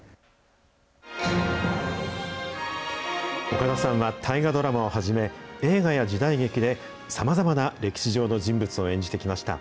岡田さんは大河ドラマをはじめ、映画や時代劇で、さまざまな歴史上の人物を演じてきました。